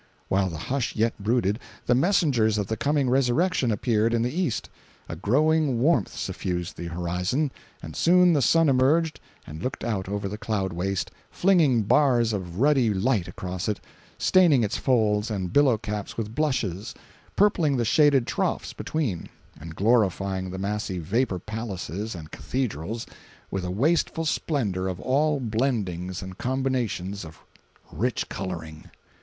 While the hush yet brooded, the messengers of the coming resurrection appeared in the East. A growing warmth suffused the horizon, and soon the sun emerged and looked out over the cloud waste, flinging bars of ruddy light across it, staining its folds and billow caps with blushes, purpling the shaded troughs between, and glorifying the massy vapor palaces and cathedrals with a wasteful splendor of all blendings and combinations of rich coloring.